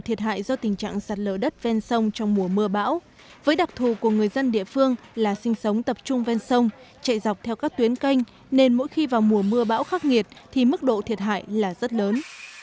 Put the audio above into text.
thiệt hại do tình trạng sạt lở đất ven sông trong mùa mưa bão với đặc thù của người dân địa phương là sinh sống tập trung ven sông chạy dọc theo các tuyến canh nên mỗi khi vào mùa mưa bão khắc nghiệt thì mức độ thiệt hại là rất lớn